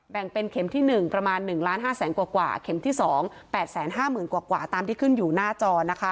แบ่งเป็นเข็มที่๑ประมาณ๑ล้าน๕แสนกว่าเข็มที่๒๘๕๐๐๐กว่าตามที่ขึ้นอยู่หน้าจอนะคะ